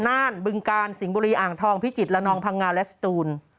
น่านบึงกาลสิงห์บุรีอ่างทองพิจิตรละนองพังงาและสตูน